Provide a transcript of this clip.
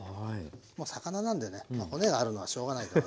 もう魚なんでね骨があるのはしょうがないかな。